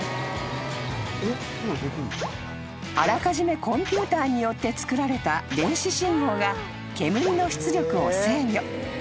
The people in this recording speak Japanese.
［あらかじめコンピューターによってつくられた電子信号が煙の出力を制御］